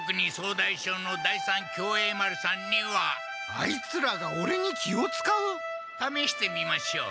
あいつらがオレに気をつかう？ためしてみましょう。